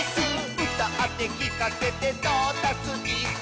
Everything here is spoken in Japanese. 「うたってきかせてトータスイス！」